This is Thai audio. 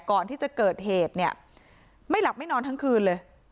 ก่อนที่จะเกิดเหตุเนี่ยไม่หลับไม่นอนทั้งคืนเลย